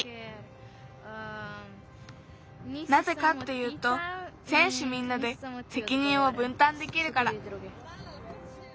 なぜかっていうとせんしゅみんなでせきにんをぶんたんできるから。